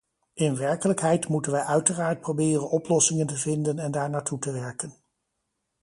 In werkelijkheid moeten wij uiteraard proberen oplossingen te vinden en daar naartoe te werken.